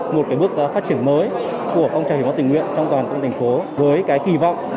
một bước phát triển mới của công trạng hiến máu tình nguyện trong toàn quốc tỉnh phố với kỳ vọng